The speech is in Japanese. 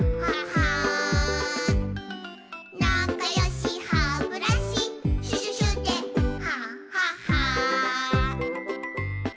「なかよしハブラシシュシュシュでハハハ」